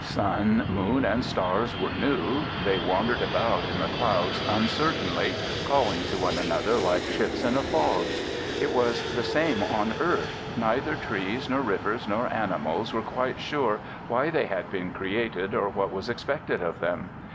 Sun, moon and stars were new; they wandered about in the clouds uncertainly, calling to one another like ships in a fog. It was the same on earth; neither trees, nor rivers, nor animals were quite sure why they had been created or what was expected of them.